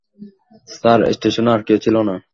Sir, স্টেশনে আর কেউ ছিল না।